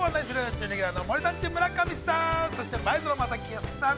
準レギュラーの森三中・村上さんそして前園真聖さん